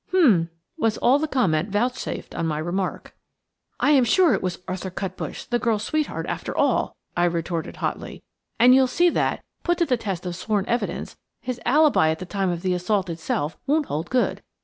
"H'm!" was all the comment vouchsafed on my remark. "I am sure it was Arthur Cutbush, the girl's sweetheart, after all," I retorted hotly, "and you'll see that, put to the test of sworn evidence, his alibi at the time of the assault itself won't hold good.